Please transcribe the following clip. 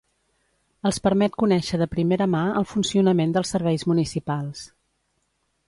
els permet conèixer de primera mà el funcionament dels serveis municipals